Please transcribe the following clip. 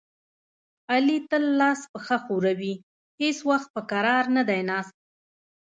علي تل لاس پښه ښوروي، هېڅ وخت په کرار نه دی ناست.